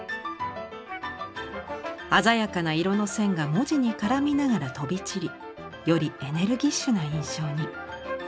鮮やかな色の線が文字に絡みながら飛び散りよりエネルギッシュな印象に。